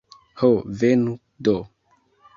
Ho, venu do!